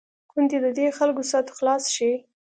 کوندي د دې خلکو سد خلاص شي.